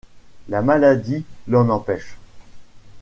La maladie l'en empêche.